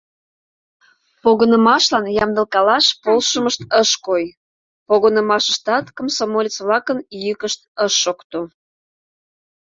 Погынымашлан ямдылкалаш полшымышт ыш кой, погынымашыштат комсомолец-влакын йӱкышт ыш шокто.